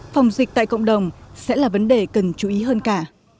phòng dịch tại cộng đồng sẽ là vấn đề cần chú ý hơn cả